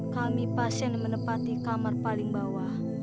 kami pasien menepati kamar paling bawah